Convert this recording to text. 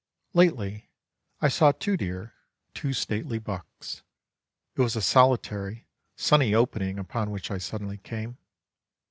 Lately I saw two deer, two stately bucks. It was a solitary, sunny opening upon which I suddenly came.